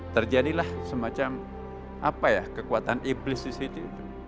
terjadilah semacam apa ya kekuatan iblis di situ